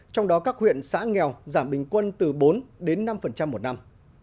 trong đó các huyện xã nghèo giảm bình quân từ bốn đến năm một năm